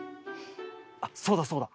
あっそうだそうだ。